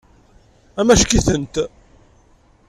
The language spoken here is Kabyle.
Amack-itent.